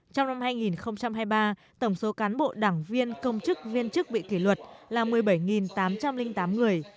trong năm hai nghìn hai mươi ba tổng số cán bộ đảng viên công chức viên chức bị kỷ luật là một mươi bảy tám trăm linh tám người